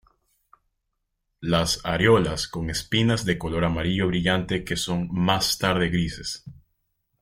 Las areolas con espinas de color amarillo brillante que son más tarde grises.